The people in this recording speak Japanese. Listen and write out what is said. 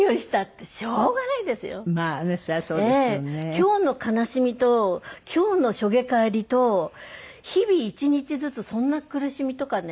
今日の悲しみと今日のしょげ返りと日々１日ずつそんな苦しみとかね